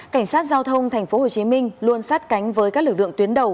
cảnh sát giao thông tp hcm luôn sát cánh với các lực lượng tuyến đầu